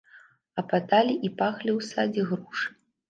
Ападалі і пахлі ў садзе грушы.